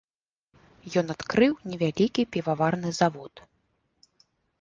Ён адкрыў невялікі піваварны завод.